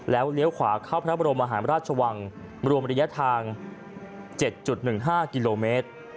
แล้วเลี้ยวขวาเข้าพระบรมหารราชวังรวมระยะทาง๗๑๕กิโลเมตร